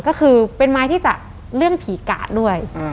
ก็คือเป็นไม้ที่จะเรื่องผีกาดด้วย